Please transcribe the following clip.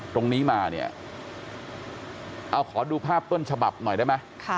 ตรงนี้มาเนี่ยเอาขอดูภาพต้นฉบับหน่อยได้ไหม